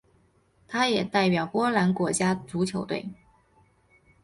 他也代表波兰国家足球队。